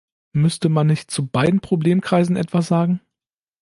Müsste man nicht zu beiden Problemkreisen etwas sagen?